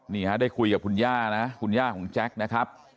นี่ฮะได้คุยกับคุณย่านะคุณย่าของแจ็คนะครับ